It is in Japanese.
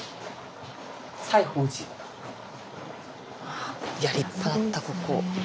スタジオいや立派だったここ。